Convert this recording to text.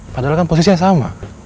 padahal kan posisinya nyatailah